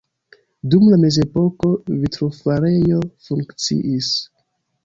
Dum la mezepoko vitrofarejo funkciis.